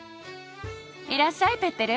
いらっしゃいペッテル。